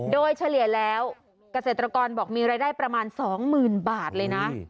โดยเฉลี่ยแล้วเกษตรกรบอกมีรายได้ประมาณ๒๐๐๐บาทเลยนะ